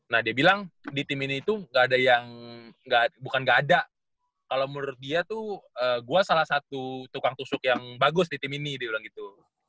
nah dia bilang di tim ini itu bukan gak ada kalau menurut dia tuh gue salah satu tukang tusuk yang bagus di tim ini dia bilang gitu